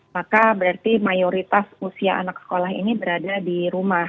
maka berarti mayoritas usia anak sekolah ini berada di rumah